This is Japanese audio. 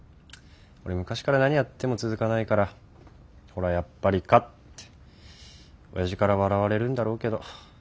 俺昔から何やっても続かないからほらやっぱりかっておやじから笑われるんだろうけど。